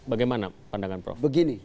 bagaimana pandangan prof